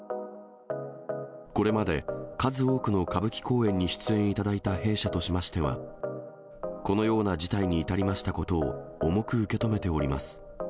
これまで数多くの歌舞伎公演に出演いただいた弊社としましては、このような事態に至りましたことを重く受け止めております。